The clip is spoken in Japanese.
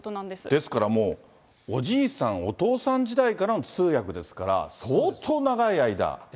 ですからもう、おじいさん、お父さん時代からの通訳ですから、相当長い間。